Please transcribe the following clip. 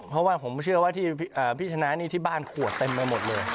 เพราะว่าผมเชื่อว่าที่พี่ชนะนี่ที่บ้านขวดเต็มไปหมดเลย